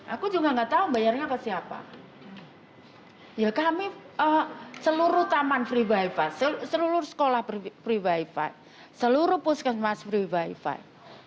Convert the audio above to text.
aku juga nggak tahu bayarnya ke siapa ya kami seluruh taman free wifi seluruh sekolah free wifi seluruh puskesmas free wifi